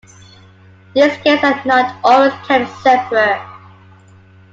These scales are not always kept separate.